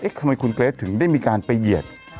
ทำไมคุณเกรทถึงได้มีการไปเหยียด